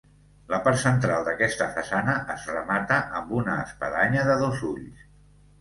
La part central d'aquesta façana es remata amb una espadanya de dos ulls.